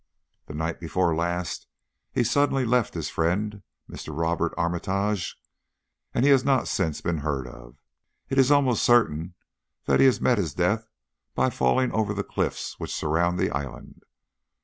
The night before last he suddenly left his friend, Mr. Robert Armitage, and he has not since been heard of. It is almost certain that he has met his death by falling over the cliffs which surround the island.